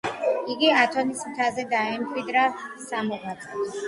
იგი ათონის მთაზე დაემკვიდრა სამოღვაწეოდ.